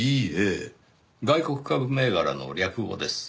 外国株銘柄の略語です。